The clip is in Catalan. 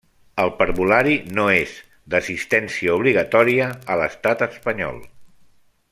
El Parvulari no és d'assistència obligatòria a l'Estat espanyol.